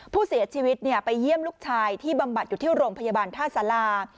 ผู้เสียชีวิตไปเยี่ยมลูกชายที่บำบัดอยู่ที่โรงพยาบาลท่าสารา